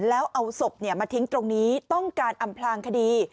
แล้วเอาศพมาทิ้งตรงนี้ต้องการอำพลางคดี